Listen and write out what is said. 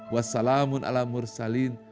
wassalamun ala mursalin